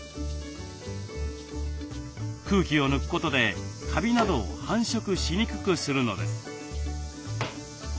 空気を抜くことでカビなどを繁殖しにくくするのです。